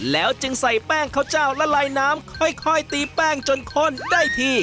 แล้วจึงใส่แป้งข้าวเจ้าละลายน้ำค่อยตีแป้งจนข้นได้ที